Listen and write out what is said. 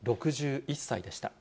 ６１歳でした。